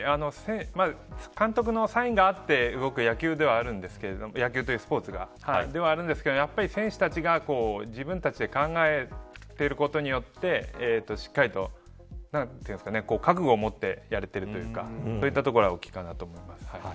監督のサインがあって動く野球ではあるんですけれども野球というスポーツではあるんですけれども選手たちが自分たちで考えていることによってしっかりと覚悟を持ってやれているというかそういったところが大きいかなと思います。